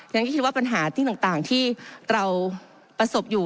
ฉันก็คิดว่าปัญหาที่ต่างที่เราประสบอยู่